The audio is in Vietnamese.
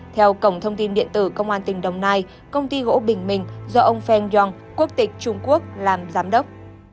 theo cổng thông tin điện tử công an tỉnh đồng nai công ty gỗ bình minh do ông feng yong quốc tịch trung quốc làm giám đốc